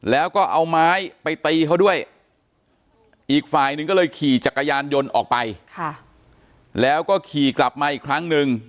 แล้วก็เอาไม้ไปตีเขาด้วยอีกฝ่ายหนึ่งก็เลยขี่จักรยานยนต์ออกไปแล้วก็ขี่กลับมาอีกครั้งหนึ่ง